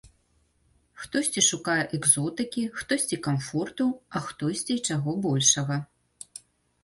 Хтосьці шукае экзотыкі, хтосьці камфорту, а хтосьці і чаго большага.